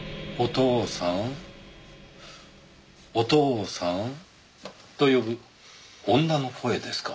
「お父さんお父さん」と呼ぶ女の声ですか。